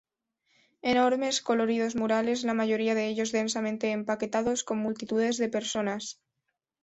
Enormes, coloridos murales, la mayoría de ellos densamente empaquetados con multitudes de personas.